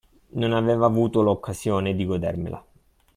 Non avevo avuto l'occasione di godermela.